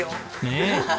ねえ。